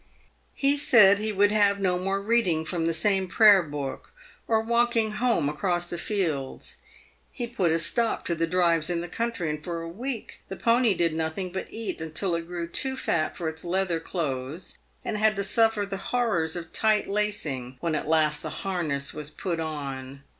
He said he would have no more reading from the same prayer book, or walking home across the fields. He put a stop to the drives in the country, and for a week the pony did nothing but eat until it grew too fat for its leather clothes, and had to suffer the horrors of tight lacing when at last the harness was put on.